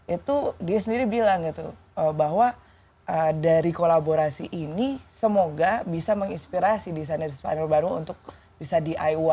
itu dia sendiri bilang gitu bahwa dari kolaborasi ini semoga bisa menginspirasi desainer desainer baru untuk bisa diy